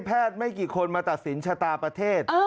ไม่กี่คนมาตัดสินชะตาประเทศ